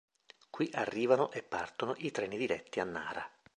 Qui arrivano e partono i treni diretti a Nara.